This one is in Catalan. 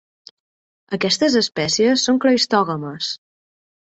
Aquestes espècies són cleistògames.